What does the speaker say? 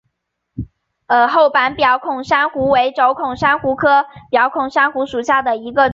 厚板表孔珊瑚为轴孔珊瑚科表孔珊瑚属下的一个种。